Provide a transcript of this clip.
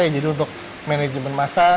jadi untuk manajemen masa